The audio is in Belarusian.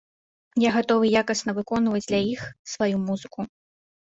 Я гатовы якасна выконваць для іх сваю музыку.